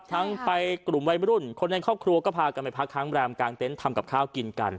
ทั้งทางไปกลุ่มวัยมื้อนุ่นคนในครอบครัวก็พากันเลยพักทั้งแบรมกลางเต้นทำกับข้าวกินกัน